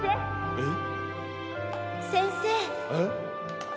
えっ！？